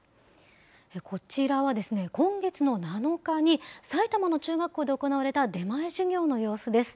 こちらはですね、今月の７日に、埼玉の中学校で行われた出前授業の様子です。